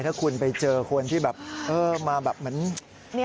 ถ้าคุณไปเจอคนที่แบบมาแบบเหมือน